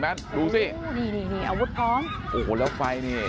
ดูสิอาการพร้อมแล้วไฟเนี่ย